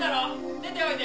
出ておいで！